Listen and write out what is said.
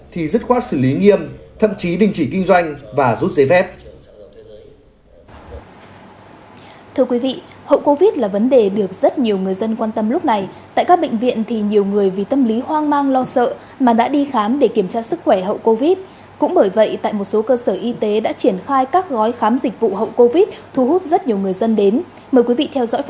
thì dứt khoát xử lý nghiêm thậm chí đình chỉ kinh doanh và rút giấy phép